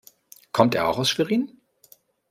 Kommt er auch aus Schwerin?